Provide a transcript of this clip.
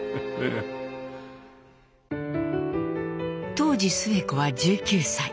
当時スエ子は１９歳。